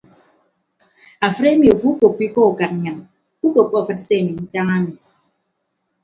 Afịt emi afo ukoppo ikọ ukañ nnyịn ukoppo afịt se ami ntañ ami.